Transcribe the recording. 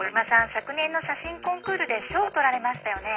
昨年の写真コンクールで賞取られましたよね？